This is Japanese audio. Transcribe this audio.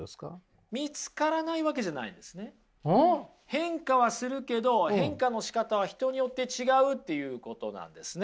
変化はするけど変化のしかたは人によって違うっていうことなんですね。